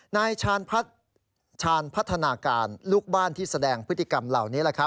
นายชาญชาญพัฒนาการลูกบ้านที่แสดงพฤติกรรมเหล่านี้